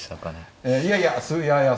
いやいやいやいや。